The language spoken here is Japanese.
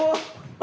あ！